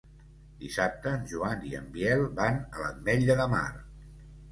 Dissabte en Joan i en Biel van a l'Ametlla de Mar.